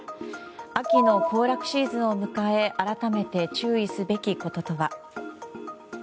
秋の行楽シーズンを迎え改めて、注意すべきこととは。